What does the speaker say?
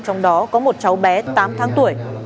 trong đó có một cháu bé tám tháng tuổi